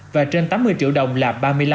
và trên tám mươi triệu đồng là ba mươi năm